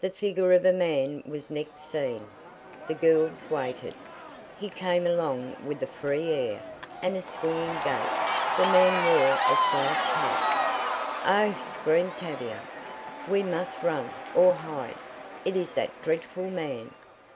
The figure of a man was next seen. The girls waited. He came along with a free air, and swinging gait. The man wore a slouch hat "Oh!" screamed Tavia. "We must run, or hide! It is that dreadful man!